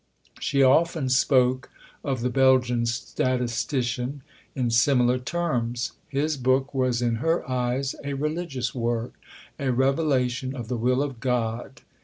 She often spoke of the Belgian statistician in similar terms. His book was in her eyes a religious work a revelation of the Will of God.